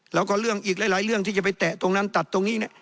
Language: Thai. แล้วก็เรื่องอีกหลายเรื่องที่จะไปแตะตรงนั้นตัดตรงนี้